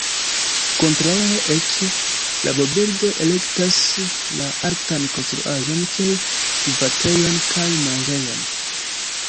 Kontraŭe eĉ, rabobirdoj elektas la altan konstruaĵon kiel gvatejon kaj manĝejon.